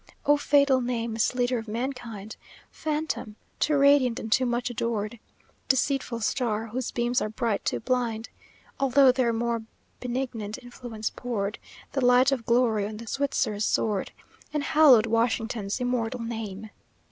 "O fatal name, misleader of mankind, Phantom, too radiant and too much adored! Deceitful Star, whose beams are bright to blind, Although their more benignant influence poured The light of glory on the Switzer's sword, And hallowed Washington's immortal name.